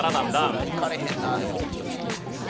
まだいかれへんなあでも。